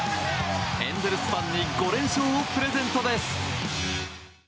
エンゼルスファンに５連勝をプレゼントです。